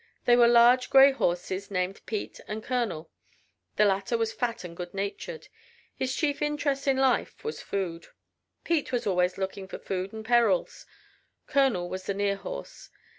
They were large gray horses named Pete and Colonel. The latter was fat and good natured. His chief interest in life was food. Pete was always looking for food and perils. Colonel was the near horse.